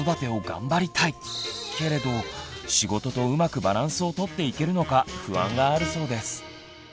けれど仕事とうまくバランスを取っていけるのか不安があるそうです。